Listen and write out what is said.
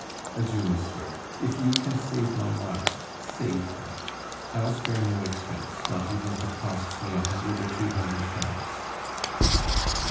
Adieu, monsieur! If you can save my wife, save her. I'll spare no expense, not even if it costs me a hundred or two hundred francs."